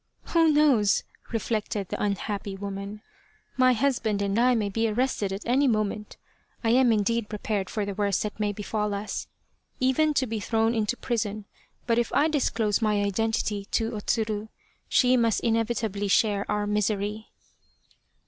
" Who knows !" reflected the unhappy woman. " My husband and I may be arrested at any moment. I am indeed prepared for the worst that may befall us even to be thrown into prison but if I disclose my identity to O Tsuru, she must inevitably share our misery.